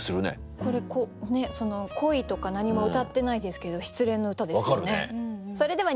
これ恋とか何もうたってないですけど失恋の歌ですよね。